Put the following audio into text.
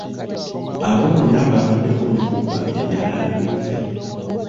Oba bonna baabaddeko mu kubba ebyalaani byaffe?